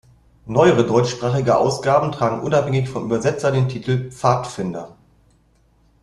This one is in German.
Neuere deutschsprachige Ausgaben tragen unabhängig vom Übersetzer den Titel "Pfadfinder".